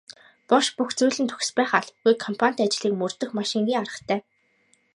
Буш бүх зүйл нь төгс байх албагүй компанит ажлыг мөрдөх маш энгийн аргатай.